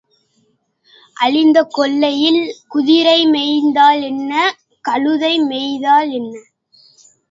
அழிந்த கொல்லையில் குதிரை மேய்ந்தாலென்ன, கழுதை மேய்ந்தாலென்ன?